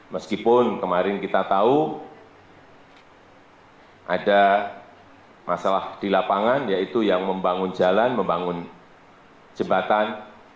meskipun kemarin kita tahu ada masalah di lapangan yaitu yang membangun jalan membangun jembatan